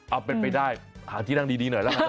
เอาเป็นไปได้หาที่นั่งดีหน่อยนะ